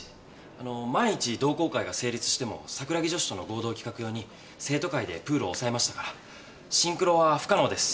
あの万一同好会が成立しても桜木女子との合同企画用に生徒会でプールを押さえましたからシンクロは不可能です。